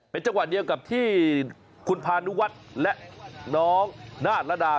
เป็นจังหวะเดียวกับที่คุณพานุวัฒน์และน้องนาฏระดา